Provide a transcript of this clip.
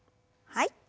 はい。